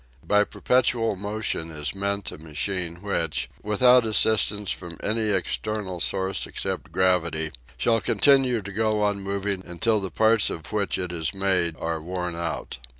By perpetual motion is meant a machine which, without assistance from any external source except gravity, shall continue to go on moving until the parts of which it is made are worn out.